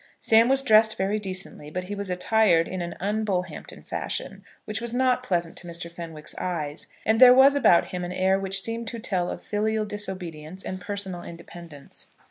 Sam was dressed very decently; but he was attired in an un Bullhampton fashion, which was not pleasant to Mr. Fenwick's eyes; and there was about him an air which seemed to tell of filial disobedience and personal independence.